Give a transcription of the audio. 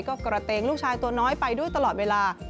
ก็กระเตงลูกชายตัวน้อยไปด้วยตลอดเวลา